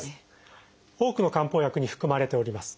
多くの漢方薬に含まれております。